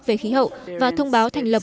về khí hậu và thông báo thành lập